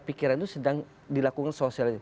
pikiran itu sedang dilakukan sosialisasi